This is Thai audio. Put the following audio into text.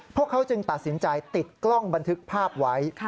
พวกเขาจึงตัดสินใจติดกล้องบันทึกภาพไว้